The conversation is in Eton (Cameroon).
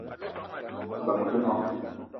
Mbeng i te noong